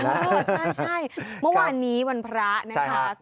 ใช่เมื่อวานนี้วันพระนะคะ